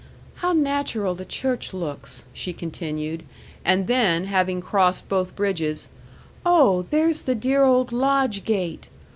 "How natural the church looks," she continued. And then, having crossed both bridges, "Oh, there's the dear old lodge gate!"